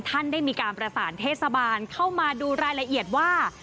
ท่านได้มีการประสานเทศบาลเข้ามาดูรายละเอียดว่า